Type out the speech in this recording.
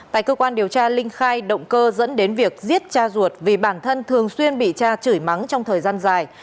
tại cơ quan điều tra linh khai động cơ dẫn đến việc giết cha ruột vì bản thân thường xuyên bị cha chửi mắng trong thời gian dài